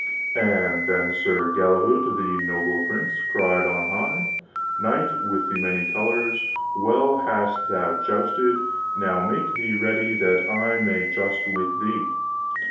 And then Sir Galahault the noble prince cried on high, Knight with the many colors, well hast thou justed; now make thee ready that I may just with thee.